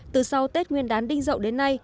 từ sau tết nguyên đán đinh dậu đến nay